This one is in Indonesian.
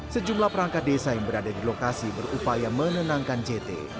sejumlah perangkat desa yang berada di lokasi berupaya menenangkan jt